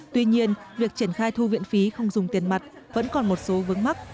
tuy nhiên việc triển khai thu viện phí không dùng tiền mặt vẫn còn một số vướng mắc